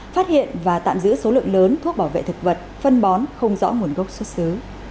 phát hiện và tạm giữ số lượng lớn thuốc bảo vệ thực vật phân bón không rõ nguồn gốc xuất xứ